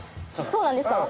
そうなんですか？